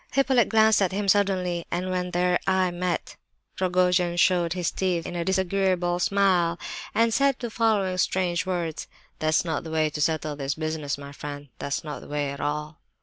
Hippolyte glanced at him suddenly, and when their eyes met Rogojin showed his teeth in a disagreeable smile, and said the following strange words: "That's not the way to settle this business, my friend; that's not the way at all."